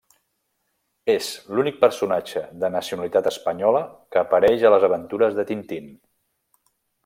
És l'únic personatge de nacionalitat espanyola que apareix a les aventures de Tintín.